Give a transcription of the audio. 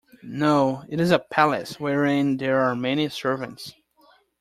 No, it is a palace, wherein there are many servants.